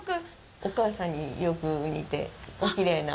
お母さんによく似て、おきれいな。